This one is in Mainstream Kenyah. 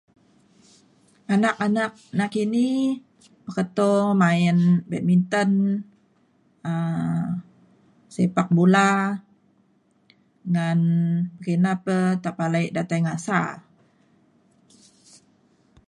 anak anak nakini peketo main badminton um sepak bola ngan pekina pa pekalai ida tai ngasa